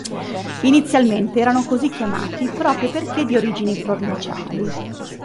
Inizialmente erano così chiamati proprio perché di origini provinciali.